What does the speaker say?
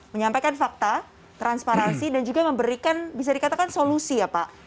menyampaikan fakta transparansi dan juga memberikan bisa dikatakan solusi ya pak